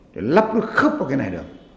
để lắp nó khắp vào cái này